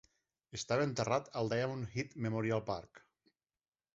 Estava enterrat al Diamond Head Memorial Park.